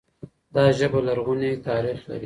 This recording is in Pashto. دا ژبه لرغونی تاريخ لري.